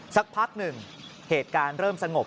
สักพักหนึ่งเหตุการณ์เริ่มสงบ